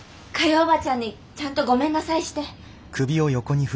叔母ちゃんにちゃんとごめんなさいして。